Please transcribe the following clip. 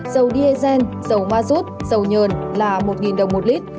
dầu diê xen dầu ma xút dầu nhờn là một đồng một lít